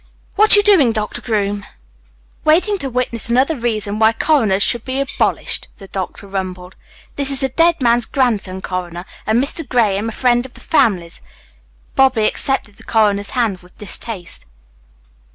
"What you doing, Doctor Groom?" "Waiting to witness another reason why coroners should be abolished," the doctor rumbled. "This is the dead man's grandson, Coroner; and Mr. Graham, a friend of the family's." Bobby accepted the coroner's hand with distaste.